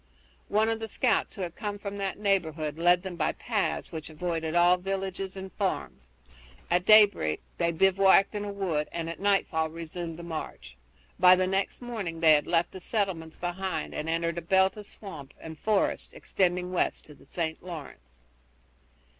One of the scouts who had come from that neighborhood led them by paths which avoided all villages and farms. At daybreak they bivouacked in a wood and at nightfall resumed the march. By the next morning they had left the settlements behind, and entered a belt of swamp and forest extending west to the St. Lawrence.